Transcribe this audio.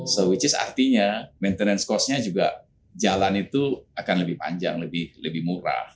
so which is artinya maintenance cost nya juga jalan itu akan lebih panjang lebih murah